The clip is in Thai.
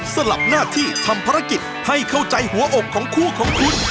สลับหน้าที่ทำภารกิจให้เข้าใจหัวอกของคู่ของคุณ